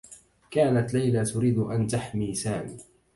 كانت ليلى تريد أن تحمي سامي.